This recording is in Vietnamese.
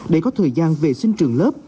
để có thời gian vệ sinh trường lớp